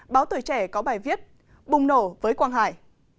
báo tuổi trẻ có bài viết bùng nổ với quang hải